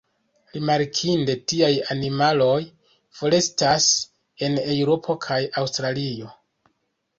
Rimarkinde, tiaj animaloj forestas en Eŭropo kaj Aŭstralio.